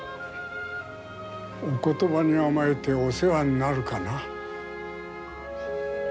お言葉に甘えてお世話になるかな。